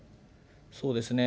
そうですね。